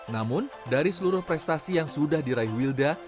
namun dari seluruh prestasi yang sudah diraih wilda